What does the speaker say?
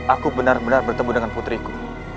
aku benar benar bertemu dengan putriku